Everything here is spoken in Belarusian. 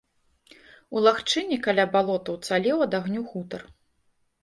У лагчыне, каля балота, уцалеў ад агню хутар.